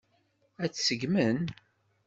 Ad tt-seggmen?